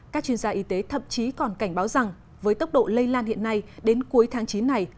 các chuyên gia y tế thậm chí còn cảnh báo rằng với tốc độ lây lan hiện nay đến cuối tháng chín này